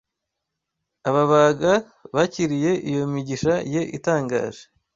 ababaga bakiriye iyo migisha ye itangaje